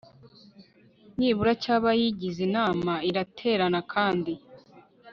nibura cy abayigize inama iraterana kandi